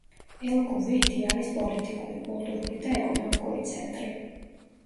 ელ-ქუვეითი არის პოლიტიკური, კულტურული და ეკონომიკური ცენტრი.